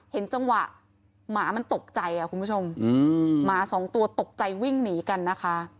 เห็นจังหวะหมามันตกใจอ่ะคุณผู้ชมหมาสองตัวตกใจวิ่งหนีกันนะคะ